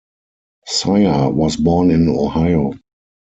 Sia was born in Ohio.